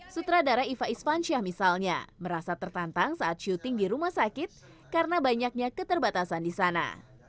sutradara iva isvansyah misalnya merasa tertantang saat syuting di rumah sakit karena banyaknya keterbatasan di sana